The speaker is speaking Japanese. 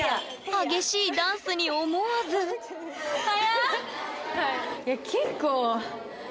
激しいダンスに思わず速！